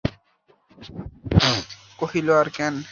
কহিল, আর কেন।